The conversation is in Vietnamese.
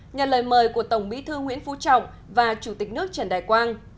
nhận lời mời của tổng bí thư nguyễn phú trọng và chủ tịch nước trần đại quang